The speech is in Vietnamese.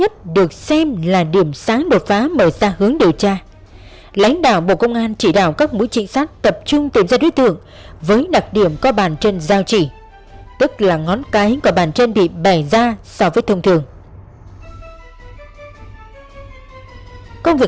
công việc giả sử của bộ công an chỉ đạo các mối trịnh sát tập trung tìm ra đối tượng với đặc điểm có bàn chân giao chỉ